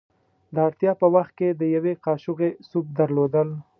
د اړتیا په وخت کې د یوې کاشوغې سوپ درلودل.